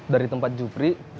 dari tempat jupri